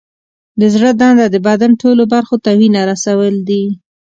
د زړه دنده د بدن ټولو برخو ته وینه رسول دي.